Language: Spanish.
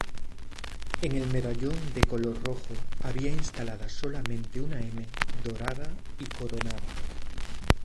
En el medallón de color rojo había instalada solamente una "M" dorada y coronada.